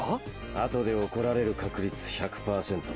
あとで怒られる確率１００パーセント。